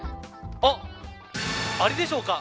あれでしょうか。